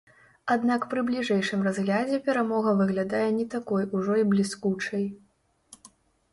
Аднак пры бліжэйшым разглядзе перамога выглядае не такой ужо і бліскучай.